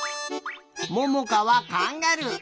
ももかはカンガルー。